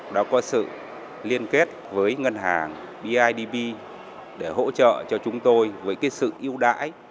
đã có sự liên kết với ngân hàng bidv để hỗ trợ cho chúng tôi với cái sự ưu đãi